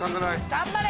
頑張れ！